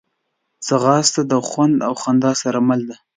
ځغاسته د خوند او خندا سره مل ده